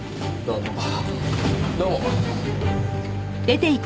どうも。